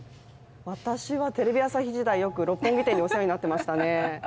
私はテレビ朝日時代、よく六本木店にお世話になっていました。